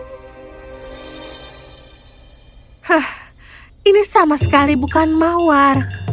hah ini sama sekali bukan mawar